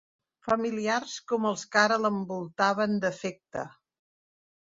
Familiars com els que ara l'envoltaven d'afecte.